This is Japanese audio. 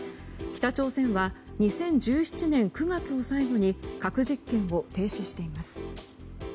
北朝鮮は２０１７年９月を最後に核実験を停止しています。